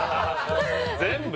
全部？